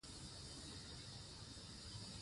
ادب د فکري انقلاب بنیاد دی.